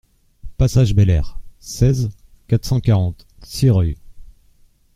Passage Bel Air, seize, quatre cent quarante Sireuil